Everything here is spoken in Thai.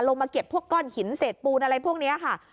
มาเก็บพวกก้อนหินเศษปูนอะไรพวกนี้ค่ะ